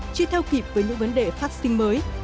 chưa theo kịp với những vấn đề phát sinh mới